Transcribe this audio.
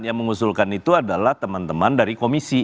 yang mengusulkan itu adalah teman teman dari komisi